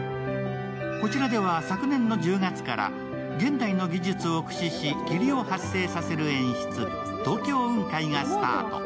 こちらでは昨年の１０月から現代の技術を駆使し、霧を発生させる演出、東京雲海がスタート。